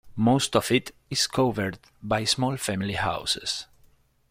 Most of it is covered by small family houses.